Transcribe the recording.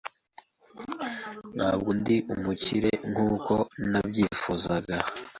Ntabwo ndi umukire nkuko nabyifuzaga.